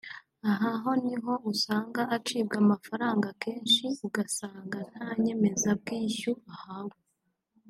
aha ho ni ho usanga acibwa amafaranga akenshi ugasanga nta nyemezabwishyu ahawe